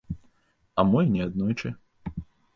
А мо і неаднойчы.